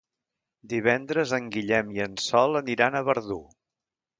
Divendres en Guillem i en Sol aniran a Verdú.